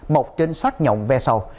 mộc trên sát nhộn ve sầu